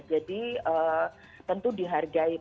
jadi tentu dihargai